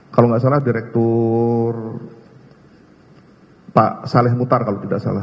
kalau nggak salah direktur pak saleh mutar kalau tidak salah